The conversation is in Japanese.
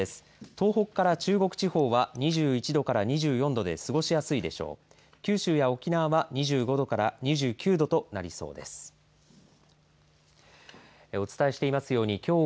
東北から中国地方は２１度から２４度で過ごしやすいでしょう。